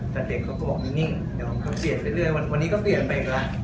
แต่เด็กเขาก็บอกนิ่งเปลี่ยนไปเรื่อยวันนี้ก็เปลี่ยนไปอีกแล้ว